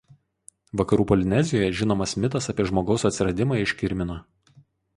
Vakarų Polinezijoje žinomas mitas apie žmogaus atsiradimą iš kirmino.